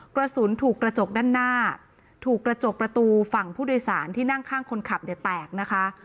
กระสุนถูกกระจกด้านหน้าถูกกระจกประตูฝั่งผู้โดยสารที่นั่งข้างคนขับเนี่ยแตกนะคะ